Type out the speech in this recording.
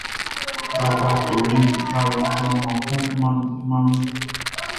Baba toli balɔn klanhan kun man mi.